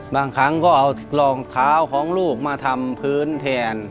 บางครั้งก็เอารองเท้าของลูกมาทำพื้นแทน